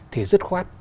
thì rất khoan